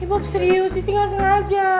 ibab serius sisi gak sengaja